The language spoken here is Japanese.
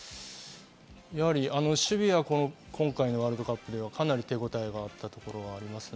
やはり守備は今回のワールドカップで、かなり手応えがあったと思います。